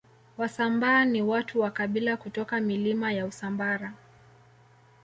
Wasambaa ni watu wa kabila kutoka Milima ya Usambara